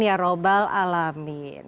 ya rabbal alamin